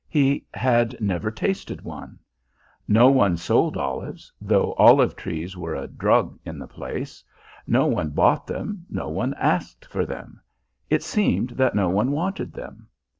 He had never tasted one. No one sold olives, though olive trees were a drug in the place; no one bought them, no one asked for them; it seemed that no one wanted them.